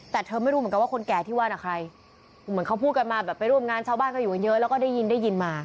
แต่เธอไม่รู้เหมือนกันว่าคนแก่ที่ว่าน่ะใครเหมือนเขาพูดกันมาแบบไปร่วมงานชาวบ้านก็อยู่กันเยอะแล้วก็ได้ยินได้ยินมา